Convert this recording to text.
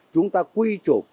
chúng ta quy trục